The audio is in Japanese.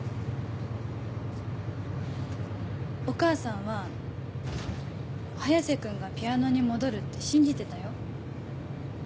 お母さんは早瀬君がピアノに戻るって信じてたよ。